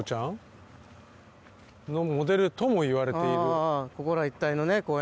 あここら一帯のね。